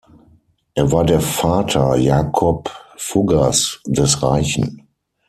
Er war der Vater Jakob Fuggers "des Reichen".